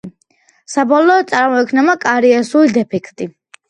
საბოლოოდ წარმოიქმნება კარიესული დეფექტი.